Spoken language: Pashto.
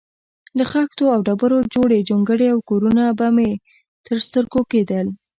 له خښتو او ډبرو جوړې جونګړې او کورونه به مې تر سترګو کېدل.